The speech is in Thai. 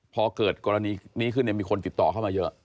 พอเกิดกรณีนี้ขึ้นมีคนติดต่อเข้ามาเยอะ